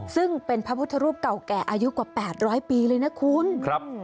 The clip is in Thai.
ซึ่งเป็นพระพุทธรูปเก่าแก่อายุกว่า๘๐๐ปีเลยนะคุณครับ